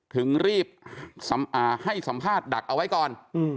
ถึงรีบให้สัมภาษณ์ดักเอาไว้ก่อน